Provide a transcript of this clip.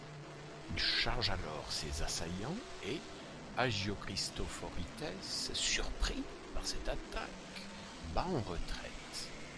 Il charge alors ses assaillants et, Hagiochristophoritès, surpris par cette attaque, bat en retraite.